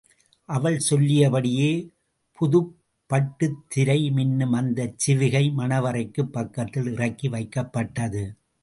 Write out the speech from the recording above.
அவள் சொல்லியபடியே புதுப்பட்டுத்திரை மின்னும் அந்தச் சிவிகை மணவறைக்குப் பக்கத்தில் இறக்கி வைக்கப்பட்டது.